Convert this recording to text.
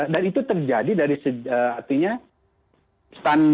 dan itu terjadi dari artinya